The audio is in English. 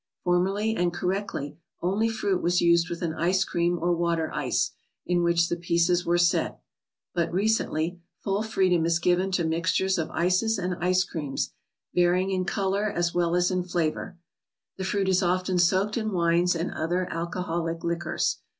Formerly and correctly, only fruit was used with an ice cream or water ice, in which the pieces were set; but recently, full freedom is given to mixtures of ices and ice creams, vary¬ ing in color as well as in flavor. The fruit is often soaked in wines, and other alcoholic liquors.